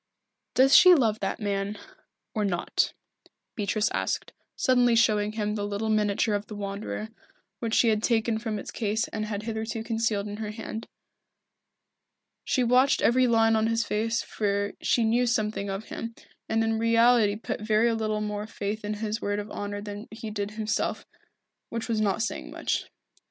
"Does she love that man or not?" Beatrice asked, suddenly showing him the little miniature of the Wanderer, which she had taken from its case and had hitherto concealed in her hand. She watched every line of his face for she knew something of him, and in reality put very little more faith in his word of honour than he did himself, which was not saying much.